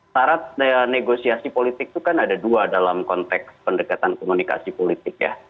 syarat negosiasi politik itu kan ada dua dalam konteks pendekatan komunikasi politik ya